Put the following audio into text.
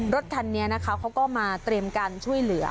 รถคันนี้นะคะเขาก็มาเตรียมการช่วยเหลือ